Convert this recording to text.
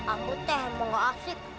aku teh mau asyik